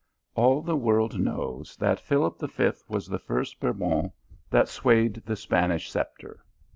All the world knows that Philip V. was the first Bourbon that swayed the Spanish sceptre.